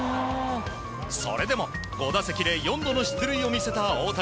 それでも、５打席で４度の出塁を見せた大谷。